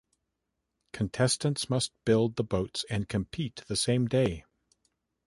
Contestants must build the boats and compete the same day.